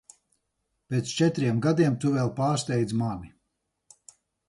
Pēc četriem gadiem tu vēl pārsteidz mani.